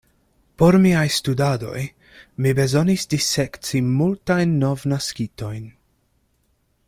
Por miaj studadoj mi bezonis disekci multajn novnaskitojn.